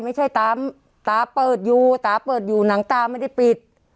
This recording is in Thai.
ไม่ใช่ตาตาเปิดอยู่ตาเปิดอยู่หนังตาไม่ได้ปิด